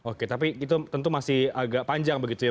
oke tapi itu tentu masih agak panjang begitu ya